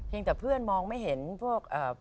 ยังแต่เพื่อนมองไม่เห็นพวก